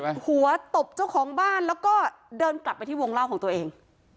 หัวตบเจ้าของบ้านแล้วก็เดินกลับไปที่วงเล่าของตัวเอง